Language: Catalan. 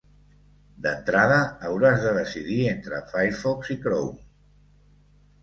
D'entrada, hauràs de decidir entre Firefox i Chrome.